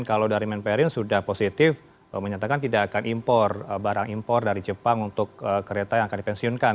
kalau dari menperin sudah positif menyatakan tidak akan impor barang impor dari jepang untuk kereta yang akan dipensiunkan